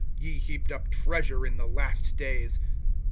Ye heaped up treasure, in the last days.